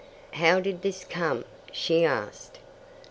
"How did this come?" she asked.